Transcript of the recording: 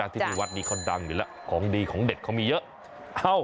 ที่ที่วัดนี้เขาดังอยู่แล้วของดีของเด็ดเขามีเยอะ